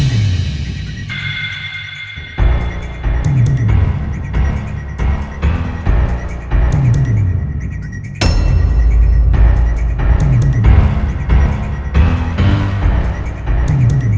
aku mau ke rumah